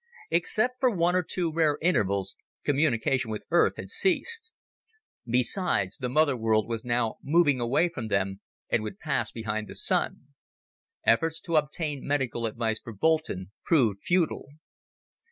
Except for one or two rare intervals, communication with Earth had ceased. Besides, the mother world was now moving away from them and would pass behind the Sun. Efforts to obtain medical advice for Boulton proved futile.